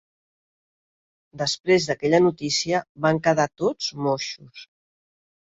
Després d'aquella notícia van quedar tots moixos.